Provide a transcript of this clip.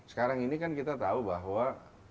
sekarang ini kan kita tahu bahwa